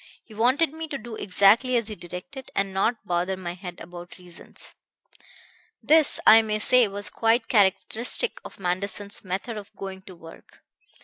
He wanted me to do exactly as he directed, and not bother my head about reasons. "This, I may say, was quite characteristic of Manderson's method of going to work.